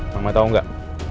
mama tahu nggak